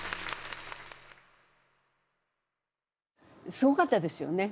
すごかったですよね。